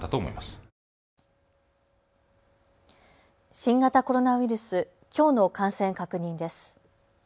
新型コロナウイルス、きょうの感染確認です。